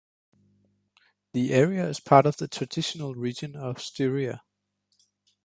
The area is part of the traditional region of Styria.